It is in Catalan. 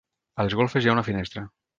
A les golfes hi ha una finestra.